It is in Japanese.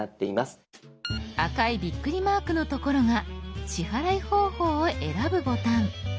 赤いビックリマークのところが支払い方法を選ぶボタン。